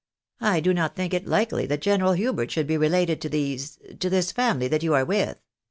I do not think it likely that General Plubert should be related to these — to this family that you are with."